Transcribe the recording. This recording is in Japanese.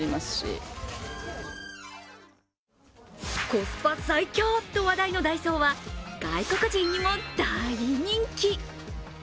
コスパ最強と話題のダイソーは外国人にも大人気。